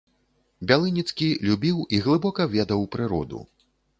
Бялыніцкі любіў і глыбока ведаў прыроду.